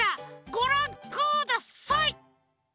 ごらんください！